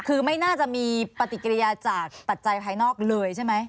คือไม่น่าจะมีปฏิกิริยาจากปัจจัยภายนอกเลยใช่ไหม